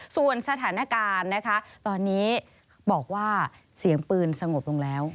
ส่วนสถานการณ์นะคะตอนนี้บอกว่าเสียงปืนสงบลงแล้ว